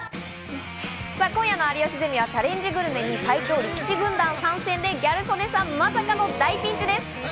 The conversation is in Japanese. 今夜の『有吉ゼミ』はチャレンジグルメに最強力士軍団参戦で、ギャル曽根さん、まさかの大ピンチです。